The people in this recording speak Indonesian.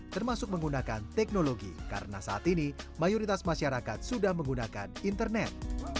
termasuk menggunakan teknologi karena saat ini mayoritas masyarakat sudah menggunakan internet